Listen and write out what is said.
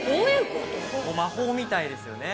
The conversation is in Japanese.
魔法みたいですよね。